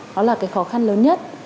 đó là cái khó khăn lớn nhất